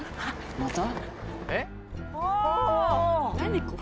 また？